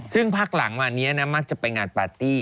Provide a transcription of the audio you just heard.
ซึ่งพักหลังวันนี้นะมักจะไปงานปาร์ตี้